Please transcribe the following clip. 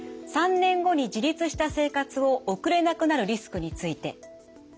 ３年後に自立した生活を送れなくなるリスクについて。